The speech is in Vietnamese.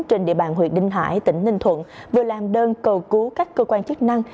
trên địa bàn huyện đinh hải tỉnh ninh thuận vừa làm đơn cầu cứu các cơ quan chức năng